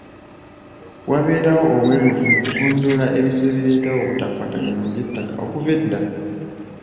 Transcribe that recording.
Wabeerewo obwerufu mu kugonjoola ebizze bireetawo obutakwatagana mu by’ettaka okuva edda.